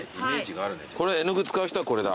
これ絵の具使う人はこれだ。